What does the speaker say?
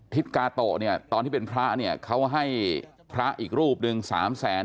พิศกาโตตอนที่เป็นพระเขาให้พระอีกรูปหนึ่ง๓แสน